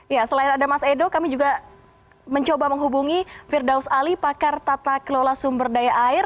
ya selain ada mas edo kami juga mencoba menghubungi firdaus ali pakar tata kelola sumber daya air